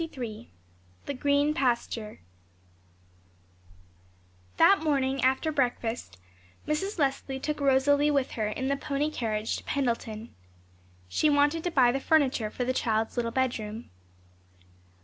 CHAPTER XXIII THE GREEN PASTURE That morning, after breakfast, Mrs. Leslie took Rosalie with her in the pony carriage to Pendleton. She wanted to buy the furniture for the child's little bedroom.